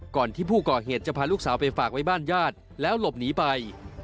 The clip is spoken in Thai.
ก่อนที่ผู้ก่อเหตุจะพาลูกสาวไปฝากไว้บ้านญาติแล้วหลบหนีไป